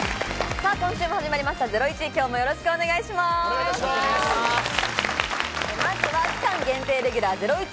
さぁ、今週も始まりました『ゼロイチ』。